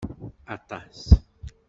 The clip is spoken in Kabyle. Aṭas!